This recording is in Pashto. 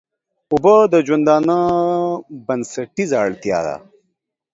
اوبه د ژوندانه بنسټيزه اړتيا ده.